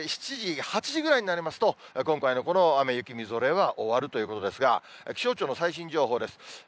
７時、８時ぐらいになりますと、今回のこの雨、雪、みぞれは終わるということですが、気象庁の最新情報です。